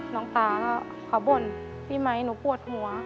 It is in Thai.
น้องตาก็เขาบ่นพี่ไมค์หนูปวดหัว